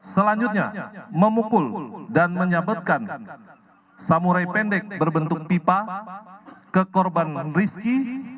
selanjutnya memukul dan menyabetkan samurai pendek berbentuk pipa ke korban rizki